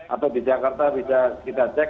atau di jakarta bisa kita cek